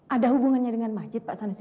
ada hubungannya dengan masjid pak sanusi